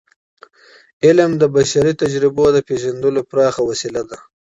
علم د بشري تجربو د پیژندلو پراخه وسیله ده.